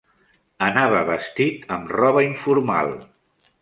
Anava vestit amb roba informal.